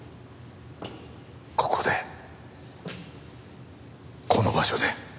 ここでこの場所で。